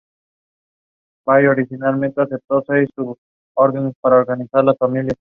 Es el futuro.